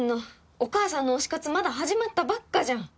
お母さんの推し活まだ始まったばっかじゃん！